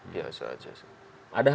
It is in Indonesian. biasa aja sih